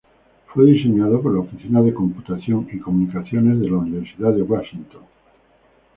Fue diseñado por la Oficina de Computación y Comunicaciones de la Universidad de Washington.